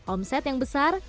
omset yang besar